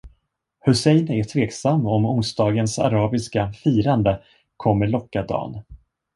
Hussein är tveksam om onsdagens arabiska firande kommer locka Dan.